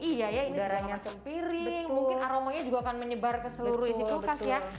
iya ini sedang macam piring mungkin aromanya juga akan menyebar ke seluruh isi kulkas ya